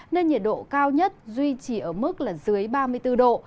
nên nhiệt độ cao nhất duy trì ở mức là dưới ba mươi bốn độ